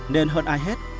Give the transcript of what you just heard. nên hơn ai hết